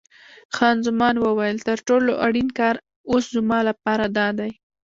خان زمان وویل: تر ټولو اړین کار اوس زما لپاره دادی.